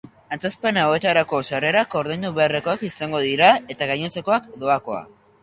Antzezpen hauetarako sarrerak ordaindu beharrekoak izango dira eta gainontzekoak, doakoak.